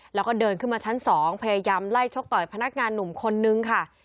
แล้วก็เดินขึ้นมาชั้น๒พยายามไล่ชกต่อยพนักงานหนุ่มคนนึงค่ะ